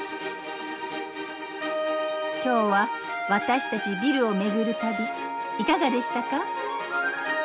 今日は私たちビルを巡る旅いかがでしたか？